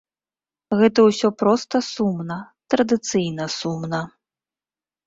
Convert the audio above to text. Гэта ўсё проста сумна, традыцыйна сумна.